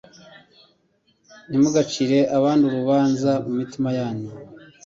«Ntimugacire abandi urubanza mu mitima yanyu.